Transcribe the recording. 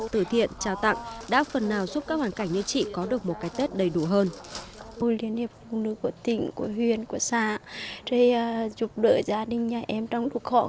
tử thiện trao tặng đã phần nào giúp các hoàn cảnh như chị có được một cái tết đầy đủ hơn